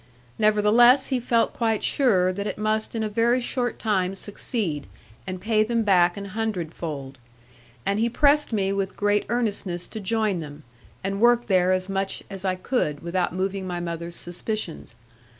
Nevertheless he felt quite sure that it must in a very short time succeed, and pay them back an hundredfold; and he pressed me with great earnestness to join them, and work there as much as I could, without moving my mother's suspicions.